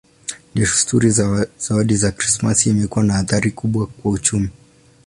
Desturi ya zawadi za Krismasi imekuwa na athari kubwa kwa uchumi.